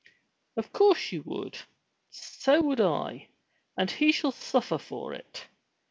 "Of course you would. So would I. And he shall suffer for it